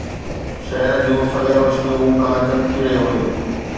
شهر جون سوين روشنيون مون کان چمڪي رهيون هيون